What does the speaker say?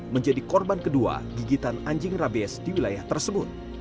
menjadi korban kedua gigitan anjing rabies di wilayah tersebut